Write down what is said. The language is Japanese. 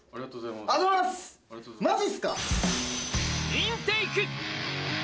インテイク。